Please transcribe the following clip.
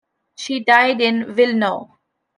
She died in Wilno.